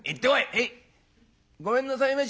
「へい！ごめんなさいまし」。